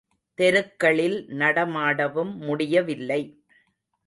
தெருக்களில் நடமாடவும் முடியவில்லை.